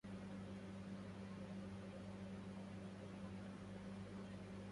أحبب به قنصا إلى متقنص